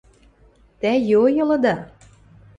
Тӓ йой ылыда...